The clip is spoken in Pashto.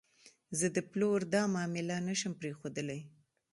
زه د پلور دا معامله نه شم پرېښودلی.